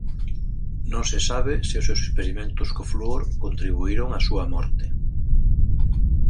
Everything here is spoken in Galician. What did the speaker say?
Non se sabe se os seus experimentos co flúor contribuíron á súa morte.